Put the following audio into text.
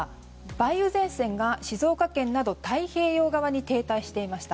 昨日は梅雨前線が静岡県など太平洋側に停滞していました。